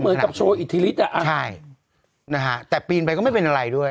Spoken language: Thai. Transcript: เหมือนกับโชว์อิทธิฤทธิอ่ะใช่นะฮะแต่ปีนไปก็ไม่เป็นอะไรด้วย